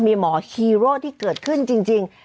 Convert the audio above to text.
มีหมอฮีโร่ที่เกิดขึ้นจริง